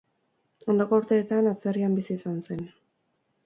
Ondoko urteetan atzerrian bizi izan zen.